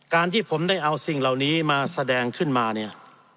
ที่ผมได้เอาสิ่งเหล่านี้มาแสดงขึ้นมาเนี่ย